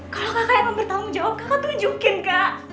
kalau kakak emang bertanggung jawab kakak tunjukin kak